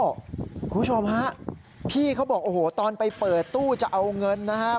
คุณผู้ชมฮะพี่เขาบอกโอ้โหตอนไปเปิดตู้จะเอาเงินนะครับ